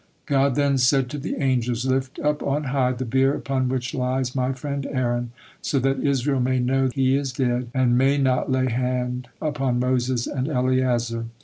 God then said to the angels: "Lift up on high the bier upon which lies My friend Aaron, so that Israel may know he is dead and my not lay hand upon Moses and Eleazar."